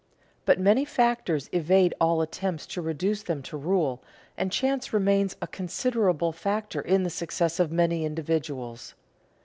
But many factors evade all attempts to reduce them to rule, and chance remains a considerable factor in the success of many individuals.